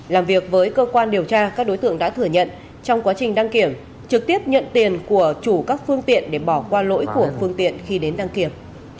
làm việc với cơ quan điều tra các đối tượng đã thừa nhận trong quá trình đăng kiểm trực tiếp nhận tiền của chủ các phương tiện để bỏ qua lỗi của phương tiện khi đến đăng kiểm